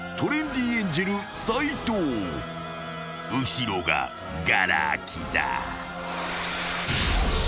［後ろががら空きだ］